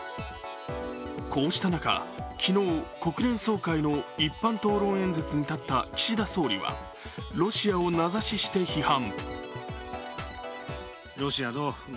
こうした中、昨日、国連総会の一般討論演説に立った岸田総理はロシアを名指しして批判。